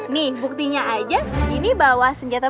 nih buktinya aja gini bawa senjata baru